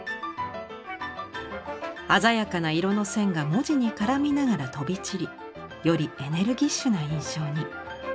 鮮やかな色の線が文字に絡みながら飛び散りよりエネルギッシュな印象に。